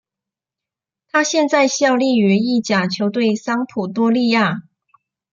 他现在效力于意甲球队桑普多利亚。